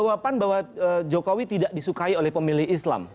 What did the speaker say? jawaban bahwa jokowi tidak disukai oleh pemilih islam